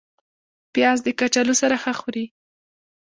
پیاز د کچالو سره ښه خوري